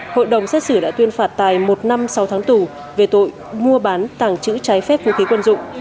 hội đồng xét xử đã tuyên phạt tài một năm sau tháng tù về tội mua bán tảng chữ trái phép vũ khí quân dụng